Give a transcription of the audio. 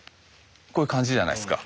こういう感じじゃないですか。